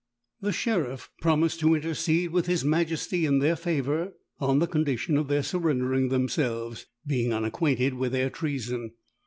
The sheriff promised to intercede with his majesty in their favour, on the condition of their surrendering themselves, being unacquainted with their treason.